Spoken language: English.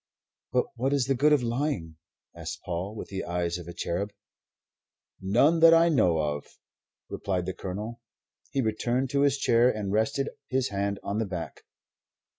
"But what is the good of lying?" asked Paul, with the eyes of a cherub. "None that I know of," replied the Colonel. He returned to his chair and rested his hand on the back.